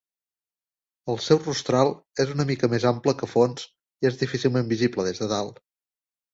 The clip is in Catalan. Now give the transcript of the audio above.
El seu rostral és una mica més ample que fons i és difícilment visible des de dalt.